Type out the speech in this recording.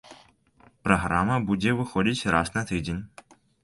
Праграма будзе выходзіць раз на тыдзень.